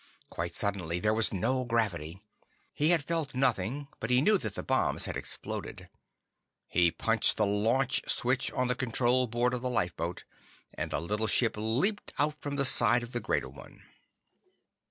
Quite suddenly, there was no gravity. He had felt nothing, but he knew that the bombs had exploded. He punched the LAUNCH switch on the control board of the lifeboat, and the little ship leaped out from the side of the greater one.